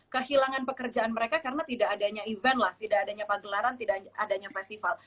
kehilangan pekerjaan mereka karena tidak adanya event lah tidak adanya pagelaran tidak adanya festival